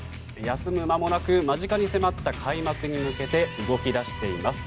休む間もなく間近に迫った開幕に向けて動き出しています。